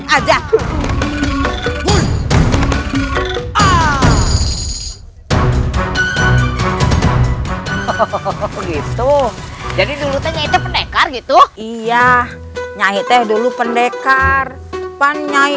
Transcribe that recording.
hahaha gitu jadi dulu tanya itu pendekar gitu iya nyai teh dulu pendekar pan nyai